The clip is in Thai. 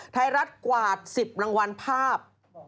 ไทยรัฐกวาด๑๐รางวัลภาพ